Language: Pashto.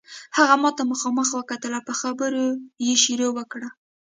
هغه ماته مخامخ وکتل او په خبرو یې شروع وکړه.